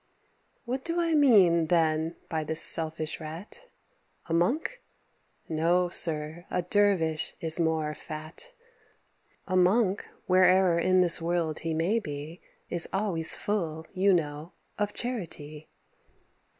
Who do I mean, then, by this selfish Rat? A monk? no, sir; a dervish is more fat. A monk, where'er in this world he may be, Is always full, you know, of charity.